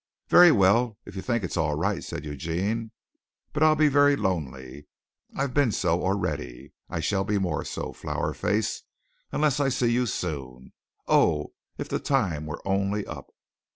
"Very well, if you think it's all right," said Eugene; "but I'll be very lonely. I've been so already. I shall be more so, Flower Face, unless I see you soon. Oh, if the time were only up!"